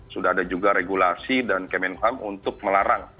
sudah ada juga regulasi dan kemenham untuk melarang